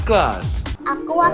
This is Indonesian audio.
lain selain dokter